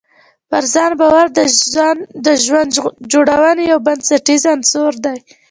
پر ځان باور د ژوند جوړونې یو بنسټیز عنصر دی.